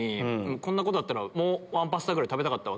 こんなことだったらもうワンパスタ食べたかった。